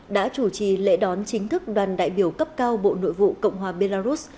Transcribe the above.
đã chủ trì lễ đón chính thức đoàn đại biểu cấp cao bộ nội vụ cộng hòa belarus